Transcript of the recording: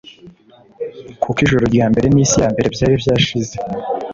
kuko ijuru rya mbere n’isi ya mbere byari byashize,